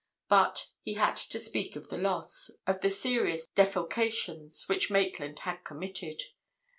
But he had to speak of the loss—of the serious defalcations which Maitland had committed.